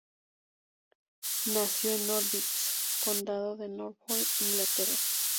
Nació en Norwich, condado de Norfolk, Inglaterra.